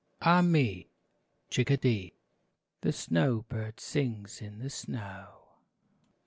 Ah me ! Chickadee ! The snow bird sings in the snow.